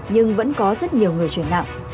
nhưng vẫn có rất nhiều người chuyển nặng